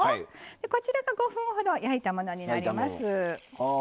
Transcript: こちらが５分ほど焼いたものになります。